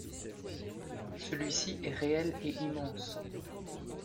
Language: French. Celui-ci est réel et immense.